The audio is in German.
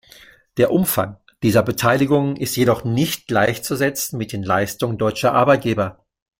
Der Umfang dieser Beteiligungen ist jedoch nicht gleichzusetzen mit den Leistungen deutscher Arbeitgeber.